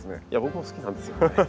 いや僕も好きなんですよね。